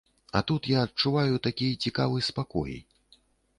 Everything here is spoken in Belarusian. А тут я адчуваю такі цікавы спакой.